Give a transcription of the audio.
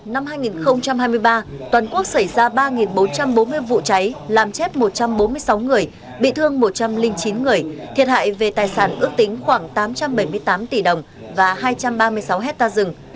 năm hai nghìn hai mươi ba toàn quốc xảy ra ba bốn trăm bốn mươi vụ cháy làm chết một trăm bốn mươi sáu người bị thương một trăm linh chín người thiệt hại về tài sản ước tính khoảng tám trăm bảy mươi tám tỷ đồng và hai trăm ba mươi sáu hectare rừng